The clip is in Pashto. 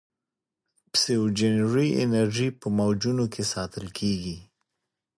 پسیوجنري انرژي په موجونو کې ساتل کېږي.